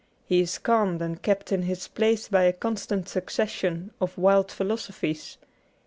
He is calmed and kept in his place by a constant succession of wild philo sophies.